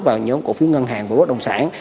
vào nhóm cổ phiếu ngân hàng của quốc đồng sản